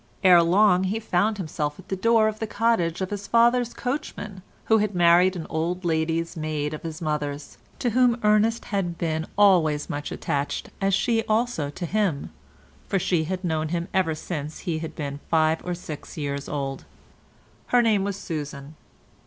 Ere long he found himself at the door of the cottage of his father's coachman, who had married an old lady's maid of his mother's, to whom Ernest had been always much attached as she also to him, for she had known him ever since he had been five or six years old. Her name was Susan.